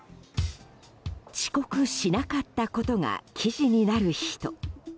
遅刻しなかったことが記事になる人。